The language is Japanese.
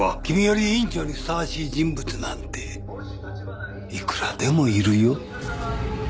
君より委員長にふさわしい人物なんていくらでもいるよ。